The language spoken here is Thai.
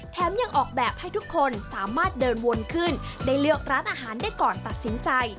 ยังออกแบบให้ทุกคนสามารถเดินวนขึ้นได้เลือกร้านอาหารได้ก่อนตัดสินใจ